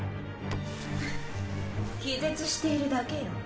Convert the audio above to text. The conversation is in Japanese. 気絶しているだけよ。